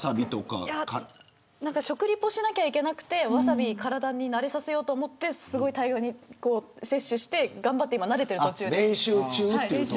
食リポしなくちゃいけなくてワサビ体に慣れさせようと思ってすごい大量に摂取して頑張って慣れてる途中です。